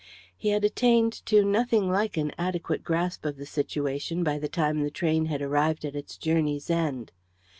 He had attained to nothing like an adequate grasp of the situation by the time the train had arrived at its journey's end.